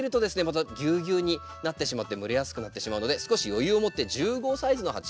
またぎゅうぎゅうになってしまって蒸れやすくなってしまうので少し余裕をもって１０号サイズの鉢